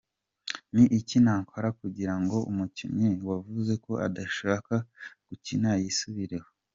Ni iki nakora kugira ngo umukinnyi wavuze ko adashaka gukina yisubireho?.